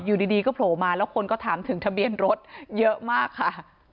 อยู่ดีก็โผล่มาแล้วคนก็ถามถึงทะเบียนรถเยอะมากค่ะ